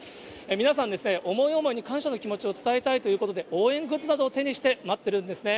皆さん、思い思いに感謝の気持ちを伝えたいということで、応援グッズなどを手にして待ってるんですね。